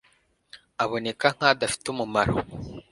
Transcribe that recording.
Aboneka nka dafite umumaro